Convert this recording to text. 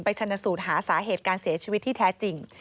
ชนสูตรหาสาเหตุการเสียชีวิตที่แท้จริง